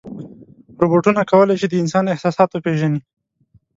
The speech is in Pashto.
روبوټونه کولی شي د انسان احساسات وپېژني.